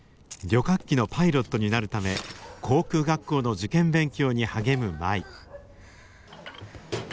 旅客機のパイロットになるため航空学校の受験勉強に励む舞。